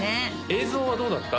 映像はどうだった？